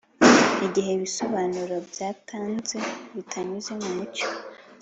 Igihe ibisobanuro byatanze bitanyuze mumucyo